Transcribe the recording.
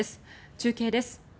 中継です。